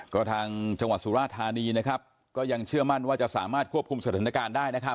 ก็ทางจังหวัดสุราธานีนะครับก็ยังเชื่อมั่นว่าจะสามารถควบคุมสถานการณ์ได้นะครับ